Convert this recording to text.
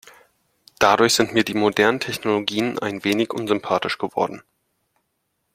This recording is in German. Dadurch sind mir die modernen Technologien ein wenig unsympathisch geworden.